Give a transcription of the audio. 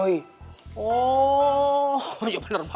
oh ya maksudnya apa maksudnya mama keduanya boy